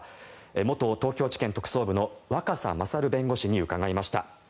元東京地検特捜部の若狭勝弁護士に伺いました。